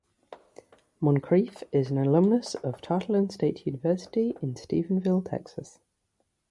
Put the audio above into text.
Moncrief is an alumnus of Tarleton State University in Stephenville, Texas.